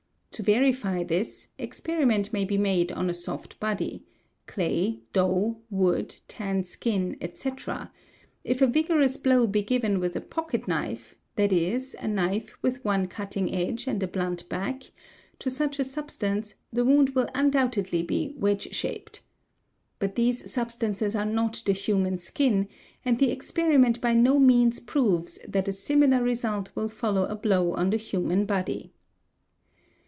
To verify this, experiment may be made on a soft body WOUNDS BY SHARP INSTRUMENTS 619 clay, dough, wood, tanned skin, etc. ; if a vigorous blow be given with a pocket knife (é.c., a knife with one cutting edge and a blunt back) to such a substance the wound will undoubtedly be wedge shaped. But these substances are not the human skin, and the experiment by no means proves that a similar. result will follow a blow on the human body.